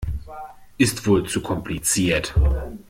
Ist wohl zu kompliziert.